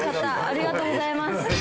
ありがとうございます。